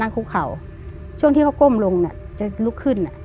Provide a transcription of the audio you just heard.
คุกเข่าช่วงที่เขาก้มลงเนี่ยจะลุกขึ้นอ่ะ